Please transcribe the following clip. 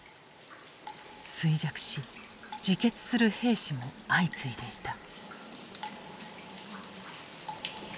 衰弱し自決する兵士も相次いでいた。